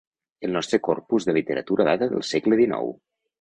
El nostre corpus de literatura data del segle XIX.